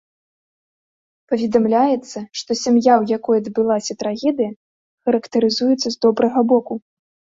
Паведамляецца, што сям'я, у якой адбылася трагедыя, характарызуецца з добрага боку.